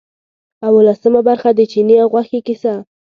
اوولسمه برخه د چیني او غوښې کیسه.